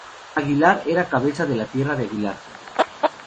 Aguilar era cabeza de la Tierra de Aguilar.